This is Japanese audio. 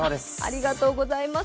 ありがとうございます。